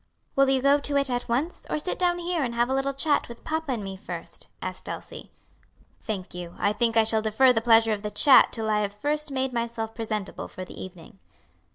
"Will you go to it at once? or sit down here and have a little chat with papa and me first?" asked Elsie. "Thank you; I think I shall defer the pleasure of the chat till I have first made myself presentable for the evening."